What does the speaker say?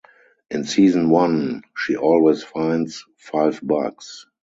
In season one, she always finds "five bucks".